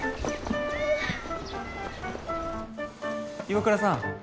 岩倉さん。